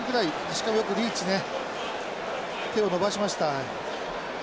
しかもよくリーチね手を伸ばしました。